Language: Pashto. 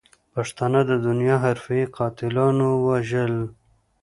پښتانه د دنیا حرفوي قاتلاتو وژل.